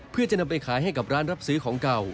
เพื่อจะนำไปขายให้กับร้านรับซื้อของเก่า